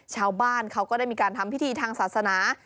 ชาวบ้านเขาก็ได้มีการทำพิธีทางศาสนา